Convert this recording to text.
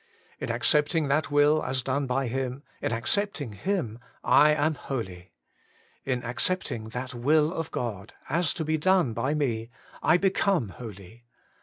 In accepting that will as done by Him, in accepting Him, I am holy. In accepting that will of God, as to be done by me, I become holy.